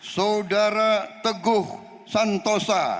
saudara teguh santosa